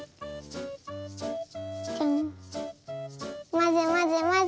まぜまぜまぜ。